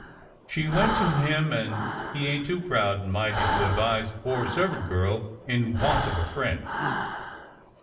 "" She went to him, and he ain't too proud and mighty to advise a poor servant girl in want of a friend."